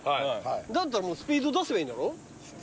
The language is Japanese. だったらもうスピード出せばいいんだろ？